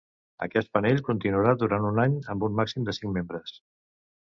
Aquest panell continuarà durant un any amb un màxim de cinc membres.